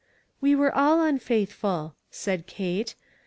" We were all unfaithful," said Kate.